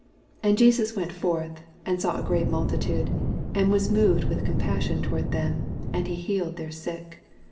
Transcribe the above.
14 And Jesus went forth, and saw a great multitude, and was moved with compassion toward them, and ha healed their sick.